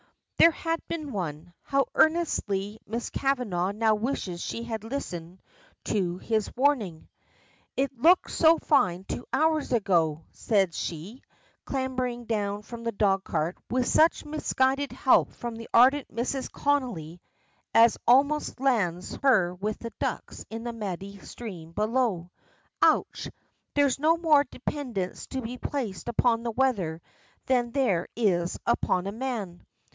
There had been one. How earnestly Miss Kavanagh now wishes she had listened to his warning. "It looked so fine two hours ago," says she, clambering down from the dog cart with such misguided help from the ardent Mrs. Connolly as almost lands her with the ducks in the muddy stream below. "Och! there's no more depindince to be placed upon the weather than there is upon a man.